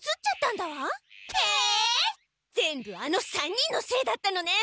全部あの３人のせいだったのね。